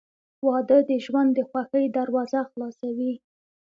• واده د ژوند د خوښۍ دروازه خلاصوي.